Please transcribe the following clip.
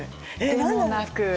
でもなく。